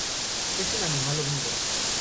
Es un animal omnívoro.